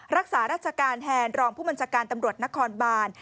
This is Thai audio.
รักษาราชการแทนรองผู้บัญชาการตำรวจนครบาน